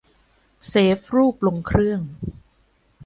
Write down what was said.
เซฟรูปลงเครื่อง